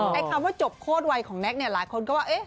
ไอ้คำว่าจบโคตรวัยของแก๊กเนี่ยหลายคนก็ว่า